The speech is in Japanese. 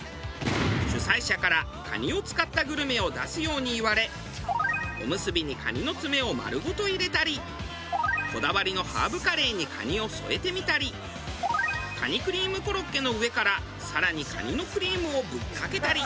主催者から蟹を使ったグルメを出すように言われおむすびに蟹の爪を丸ごと入れたりこだわりのハーブカレーに蟹を添えてみたり蟹クリームコロッケの上から更に蟹のクリームをぶっかけたり。